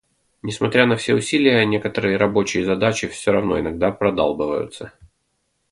Несмотря на все усилия, некоторые рабочие задачи всё равно иногда продалбываются.